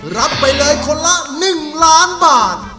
รับไปเลยคนละ๑ล้านบาท